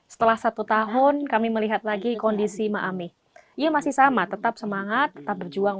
setelah satu tahun kami melihat lagi kondisi ma'amih ia masih sama tetap semangat tak berjuang